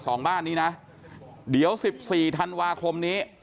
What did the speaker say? จะไม่เคลียร์กันได้ง่ายนะครับ